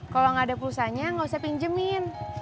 kalau enggak ada pulsa enggak usah pinjemin